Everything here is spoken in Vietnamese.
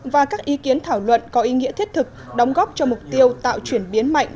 và các ý kiến thảo luận có ý nghĩa thiết thực đóng góp cho mục tiêu tạo chuyển biến mạnh